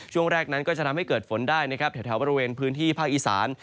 ช่วงแรกนั้นก็จะทำให้เกิดฝนได้นะครับแถวบริเวณพื้นที่ภาคอีสาน